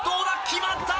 決まった！